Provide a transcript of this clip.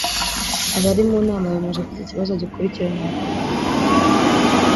abari mu nama bemeje ko iki kibazo gikurikiranwa vuba